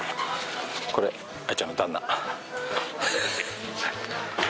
これ藍ちゃんの旦那。